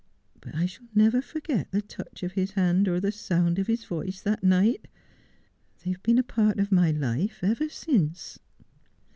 But I shall never forget the touch of his hand or the sound of his voice that night. They have been a part of my life ever since.'